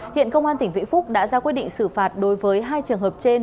hiện công an tỉnh vĩnh phúc đã ra quyết định xử phạt đối với hai trường hợp trên